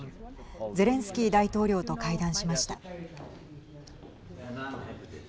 ゼレンスキー大統領と会談しました。